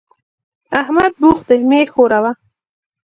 احمد بوخت دی؛ مه يې ښوروه.